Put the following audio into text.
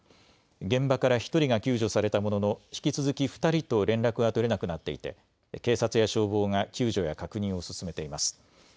現場から１人が救助されたものの引き続き、２人と連絡が取れなくなっていて警察や消防が救助や確認を進めています。